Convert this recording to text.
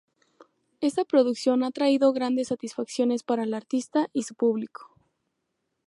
Esta producción ha traído grandes satisfacciones para el artista y su público.